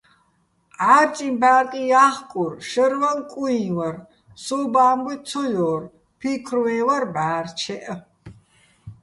ჺარჭიჼ ბჺარკი ჲა́ხკურ, შაჲრვაჼ კუიჼ ვარ, სო́უბო̆ ა́მბუჲ ცო ჲორ, ფიქრვე́ჼ ვარ ბჺა́რჩეჸ.